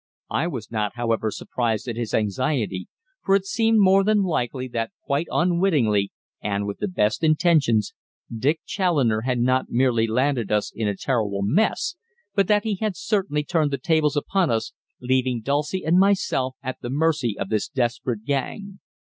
I was not, however, surprised at his anxiety, for it seemed more than likely that quite unwittingly, and with the best intentions, Dick Challoner had not merely landed us in a terrible mess, but that he had certainly turned the tables upon us, leaving Dulcie and myself at the mercy of this desperate gang.